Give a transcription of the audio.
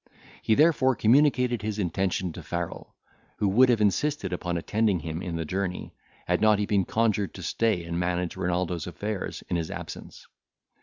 He therefore communicated his intention to Farrel, who would have insisted upon attending him in the journey, had not he been conjured to stay and manage Renaldo's affairs in his absence.